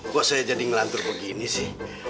kok saya jadi ngelantur begini sih